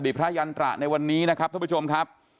พระยันตระในวันนี้นะครับท่านผู้ชมครับ